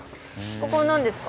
ここは何ですか？